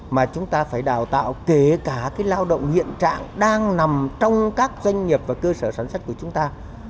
mà chúng ta phải đào tạo kể cả lao động hiện trạng đang nằm trong các doanh nghiệp và cơ sở sản xuất của chúng ta